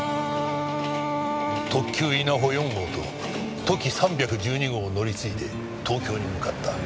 特急いなほ４号ととき３１２号を乗り継いで東京に向かった。